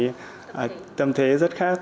một cái tâm thế rất khác